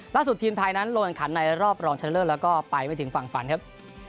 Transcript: ล่าสุดทีมไทยนั้นลงอันขันในรอบรองชันเลอร์แล้วก็ไปไว้ถึงฝั่งฝันครับ